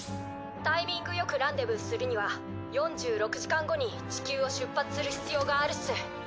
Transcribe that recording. タイミングよくランデブーするには４６時間後に地球を出発する必要があるっす。